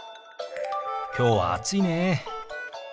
きょうは暑いね。